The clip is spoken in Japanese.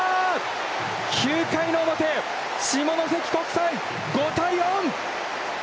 ９回表、下関国際、５対４！